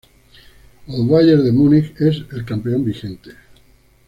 El Bayern de Múnich es el campeón vigente.